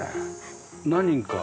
何人か？